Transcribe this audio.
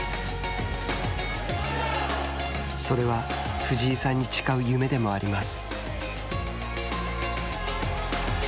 それは藤井さんに誓う夢でもあります。